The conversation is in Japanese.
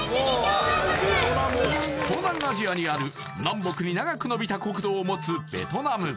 東南アジアにある南北に長くのびた国土を持つベトナム